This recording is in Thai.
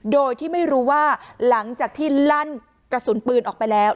โดยที่ไม่รู้ว่าหลังจากที่ลั่นกระสุนปืนออกไปแล้ว